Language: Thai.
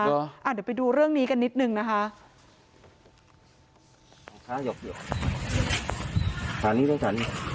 เดี๋ยวไปดูเรื่องนี้กันนิดนึงนะคะ